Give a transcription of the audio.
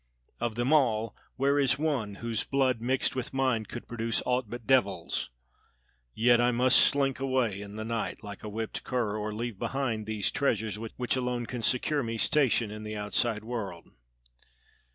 Of them all, where is one whose blood mixed with mine could produce aught but devils! Yet I must slink away in the night like a whipped cur, or leave behind these treasures which alone can secure me station in the outside world."